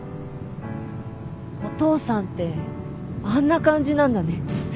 お父さんってあんな感じなんだね。